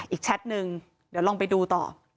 แชทหนึ่งเดี๋ยวลองไปดูต่อ